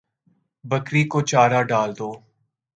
بکری کو چارہ ڈال دو